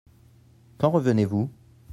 Quand revenez-vous ?